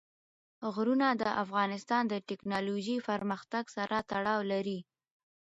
غرونه د افغانستان د تکنالوژۍ پرمختګ سره تړاو لري.